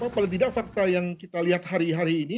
paling tidak fakta yang kita lihat hari hari ini